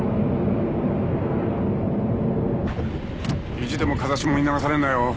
意地でも風下に流されるなよ。